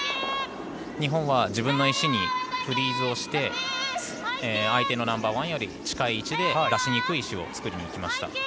日本は、自分の石にフリーズして相手のナンバーワンより近い位置出しにくい石を作りにいきました。